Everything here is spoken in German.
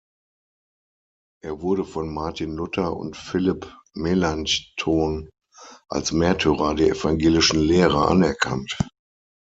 Er wurde von Martin Luther und Philipp Melanchthon als Märtyrer der evangelischen Lehre anerkannt.